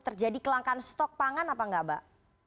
terjadi kelangkaan stok pangan apa enggak mbak